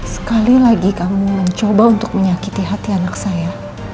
sekali lagi kami mencoba untuk menyakiti hati anak saya